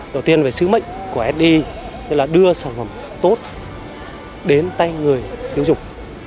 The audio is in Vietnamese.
đầu tiên về sứ mệnh của s i là đưa sản phẩm tốt đến tay người dùng